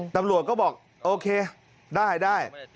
ตำรวจก็บอกโอเคได้